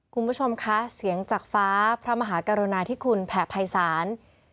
คุณผู้ชมคะเสียงจากฟ้าพระมหากรุณาธิคุณแผ่ภัยศาล